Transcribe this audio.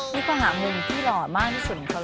นี่ความหนึ่งที่หลอมากที่สุดเหรอ